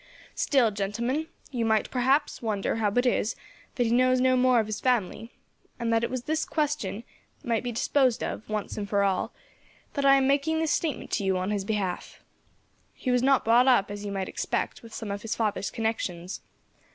"Still, gentlemen, you might, perhaps, wonder how it is that he knows no more of his family, and it was that this question might be disposed of, once for all, that I am making this statement to you on his behalf. He was not brought up, as you might expect, with some of his father's connections.